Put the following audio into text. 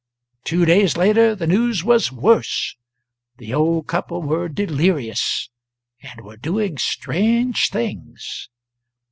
Two days later the news was worse. The old couple were delirious, and were doing strange things.